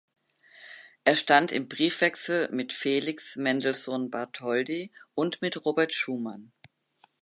Er stand im Briefwechsel mit Felix Mendelssohn Bartholdy und mit Robert Schumann.